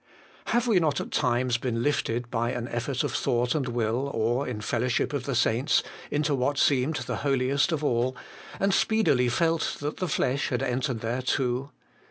5. Have we not at times been lifted, by an effort of thought and will, or in the fellowship of the saints, into what seemed the Holiest of all, and speedily felt that the flesh had entered there too